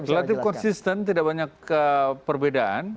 relatif konsisten tidak banyak perbedaan